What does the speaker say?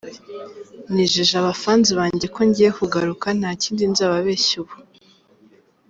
Nijeje aba fans banjye ko ngiye kugaruka nta kindi nzababeshya ubu.